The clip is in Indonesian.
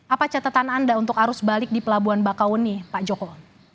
apa catatan anda untuk arus balik di pelabuhan bakau nih pak joko